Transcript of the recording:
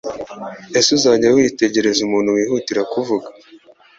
Ese ujya witegereza umuntu wihutira kuvuga